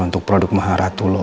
untuk produk maharatu lo